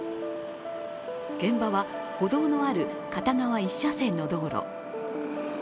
現場は、歩道のある片側１車線の道路。